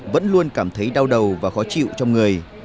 vẫn luôn cảm thấy đau đầu và khó chịu trong người